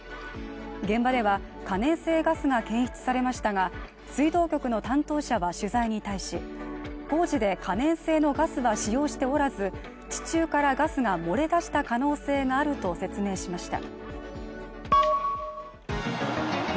現場では可燃性ガスが検出されましたが水道局の担当者は取材に対し、工事で可燃性のガスは使用しておらず地中からガスが漏れ出した可能性があると説明しました。